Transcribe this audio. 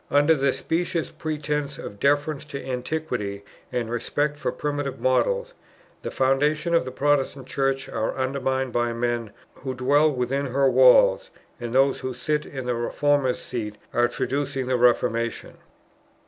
Under the specious pretence of deference to Antiquity and respect for primitive models, the foundations of the Protestant Church are undermined by men, who dwell within her walls, and those who sit in the Reformers' seat are traducing the Reformation."